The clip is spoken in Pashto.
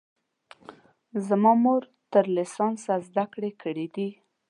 زما مور تر لیسانسه زده کړې کړي دي